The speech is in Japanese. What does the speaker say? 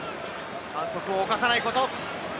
反則を犯さないこと。